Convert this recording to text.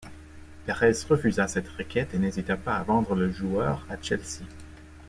Pérez refusa cette requête et n'hésita pas à vendre le joueur à Chelsea.